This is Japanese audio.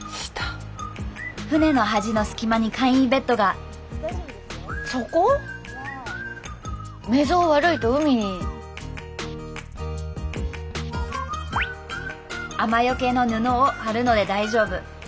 船の端の隙間に簡易ベッドが雨よけの布を張るので大丈夫。